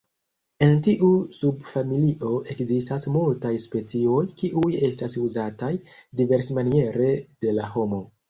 En tiu subfamilio ekzistas multaj specioj, kiuj estas uzataj diversmaniere de la homo.